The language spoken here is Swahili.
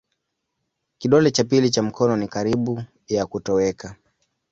Kidole cha pili cha mikono ni karibu ya kutoweka.